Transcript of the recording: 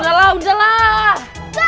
udah lah udah lah